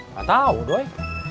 gak tau doi